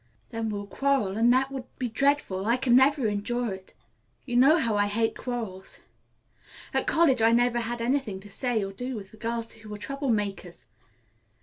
Then we'll quarrel and that would be dreadful. I could never endure it. You know how I hate quarrels. At college I never had anything to say to or do with the girls who were trouble makers.